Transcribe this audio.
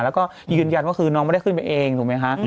แล้วก็ยืนยันว่าคือน้องไม่ได้ขึ้นไปเองถูกไหมคะ